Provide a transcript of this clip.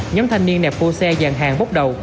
nhóm thanh niên nẹp bô xe dàn hàng bốc đầu